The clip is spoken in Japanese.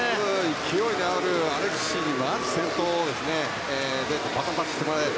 勢いがあるアレクシーにまず先頭でバトンタッチしてもらいたい。